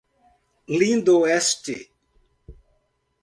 Lindoeste